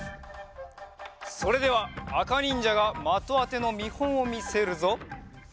それではあかにんじゃが的あてのみほんをみせるぞ。